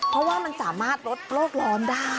เพราะว่ามันสามารถลดโรคร้อนได้